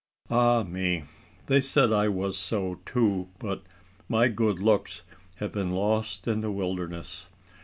Ah me! they said I was so too, but my good looks have been lost in the wilderness.